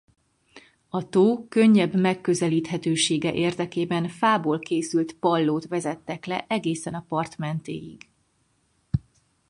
A tó könnyebb megközelíthetősége érdekében fából készült pallót vezettek le egészen a part mentéig.